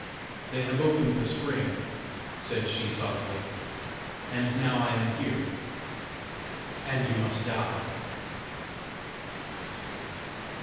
"They have opened the spring," said she softly, "and now I am here, and you must die."